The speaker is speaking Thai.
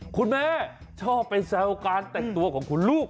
คุณแม่ชอบไปแซวการแต่งตัวของคุณลูก